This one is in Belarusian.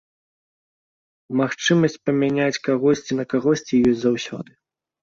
Магчымасць памяняць кагосьці на кагосьці ёсць заўсёды.